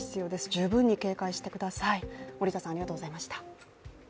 十分に警戒してください。